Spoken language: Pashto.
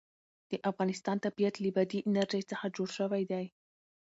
د افغانستان طبیعت له بادي انرژي څخه جوړ شوی دی.